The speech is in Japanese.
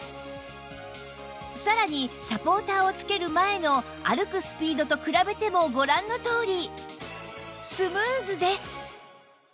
さらにサポーターを着ける前の歩くスピードと比べてもご覧のとおりスムーズです